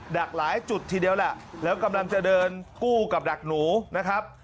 ดักหลายจุดทีเดียวแหละแล้วกำลังจะเดินกู้กับดักหนูนะครับ